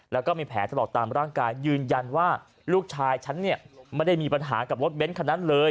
แล้วก็มีแผลตลอดตามร่างกายยืนยันว่าลูกชายฉันเนี่ยไม่ได้มีปัญหากับรถเบ้นคันนั้นเลย